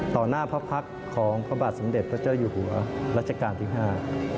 หน้าพระพักษ์ของพระบาทสมเด็จพระเจ้าอยู่หัวรัชกาลที่ห้า